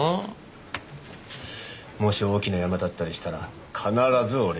もし大きなヤマだったりしたら必ず俺に。